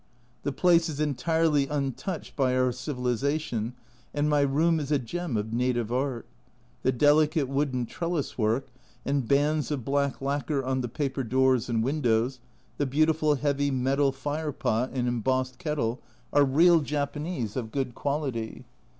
The place is entirely untouched by our civilisation, and my room is a gem of native art : the delicate wooden trellis work and bands of black lacquer on the paper doors and windows, the beautiful heavy metal fire pot and embossed kettle are real Japanese of good quality.